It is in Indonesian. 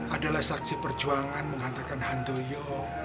adalah saksi perjuangan menghantarkan handoyo